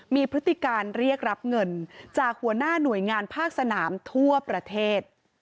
มีพฤติการเรียกรับเงินจากหัวหน้าหน่วยงานภาคสนามทั่วประเทศ